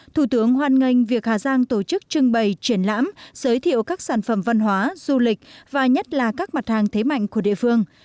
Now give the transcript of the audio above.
thủ tướng hoan nghênh việc hà giang tổ chức trưng bày triển lãm giới thiệu các sản phẩm văn hóa du lịch và nhất là các mặt hàng thế mạnh của địa phương